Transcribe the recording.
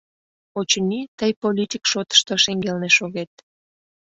Очыни, тый политик шотышто шеҥгелне шогет.